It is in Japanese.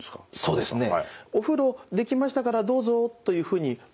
そうですね。